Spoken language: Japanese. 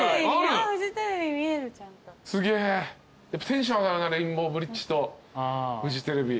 テンション上がるなレインボーブリッジとフジテレビ。